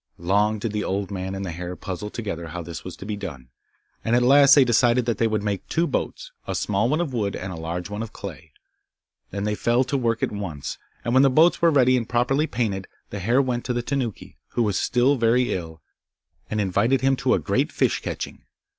Long did the old man and the hare puzzle together how this was to be done, and at last they decided that they would make two boats, a small one of wood and a large one of clay. Then they fell to work at once, and when the boats were ready and properly painted, the hare went to the Tanuki, who was still very ill, and invited him to a great fish catching.